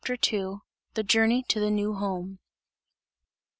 II. THE JOURNEY TO THE NEW HOME.